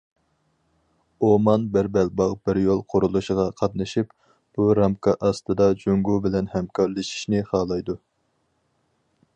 ئومان بىر بەلباغ بىر يول قۇرۇلۇشىغا قاتنىشىپ، بۇ رامكا ئاستىدا جۇڭگو بىلەن ھەمكارلىشىشنى خالايدۇ.